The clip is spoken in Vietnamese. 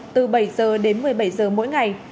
từ bảy giờ đến một mươi bảy giờ mỗi ngày